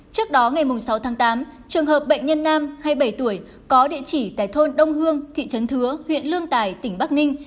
trước đó ngày sáu tháng tám trường hợp bệnh nhân nam hai mươi bảy tuổi có địa chỉ tại thôn đông hương thị trấn thứa huyện lương tài tỉnh bắc ninh